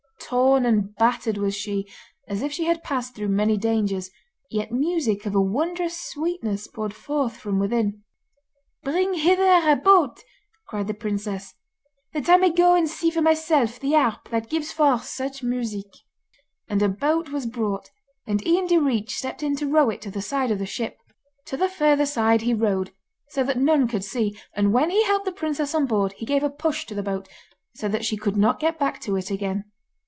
Torn and battered was she, as if she had passed through many dangers, yet music of a wondrous sweetness poured forth from within. 'Bring hither a boat,' cried the princess, 'that I may go and see for myself the harp that gives forth such music.' And a boat was brought, and Ian Direach stepped in to row it to the side of the ship. To the further side he rowed, so that none could see, and when he helped the princess on board he gave a push to the boat, so that she could not get back to it again.